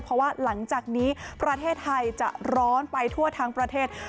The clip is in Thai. เพราะว่าหลังจากนี้ประเทศไทยจะร้อนไปทั่วทั้งประเทศ